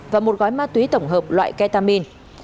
và một gói ma túy tổng hợp loại ketamin